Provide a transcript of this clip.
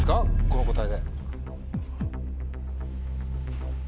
この答えで。